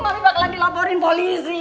mami bakalan dilaporin polisi